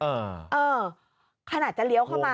เออขนาดจะเลี้ยวเข้ามา